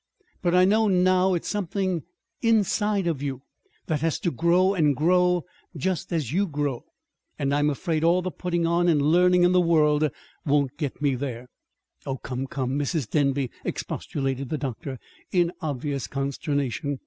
But I know now it's something inside of you that has to grow and grow just as you grow; and I'm afraid all the putting on and learning in the world won't get me there." "Oh, come, come, Mrs. Denby!" expostulated the doctor, in obvious consternation.